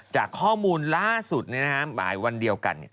จากข้อมูลล่าสุดบ่ายวันเดียวกัน